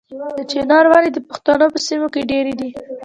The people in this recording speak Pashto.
د چنار ونې د پښتنو په سیمو کې ډیرې دي.